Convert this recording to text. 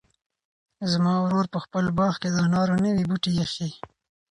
زما ورور په خپل باغ کې د انار نوي بوټي ایښي.